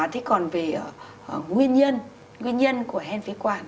thế còn về nguyên nhân của hen phế quản